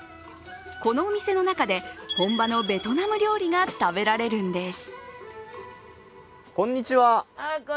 このお店の中で本場のベトナム料理が食べられるんです。